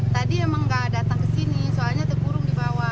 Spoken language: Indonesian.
tadi emang nggak datang ke sini soalnya terkurung dibawa